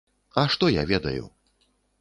А што я ведаю?